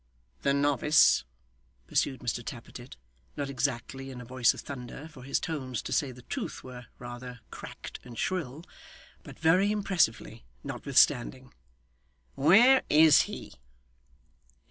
'The novice,' pursued Mr Tappertit, not exactly in a voice of thunder, for his tones, to say the truth were rather cracked and shrill but very impressively, notwithstanding 'where is he?